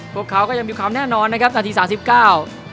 พวกเขาก็ยังมีความแน่นอนนะครับนาทีสามสิบเก้า